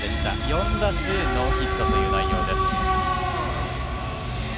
４打数ノーヒットという内容です。